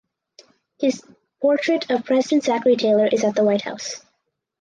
His portrait of President Zachary Taylor is at the White House.